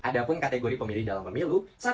ada pun kategori pemilih dalam pemilu